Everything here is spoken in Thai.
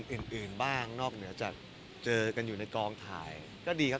อื่นอื่นบ้างนอกเหนือแต่อยู่ในกองถ่ายก็ดีครับ